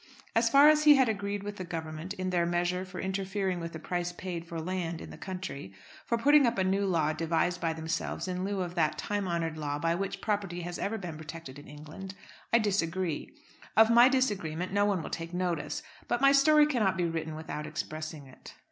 As far as he had agreed with the Government in their measure for interfering with the price paid for land in the country, for putting up a new law devised by themselves in lieu of that time honoured law by which property has ever been protected in England, I disagree. Of my disagreement no one will take notice; but my story cannot be written without expressing it.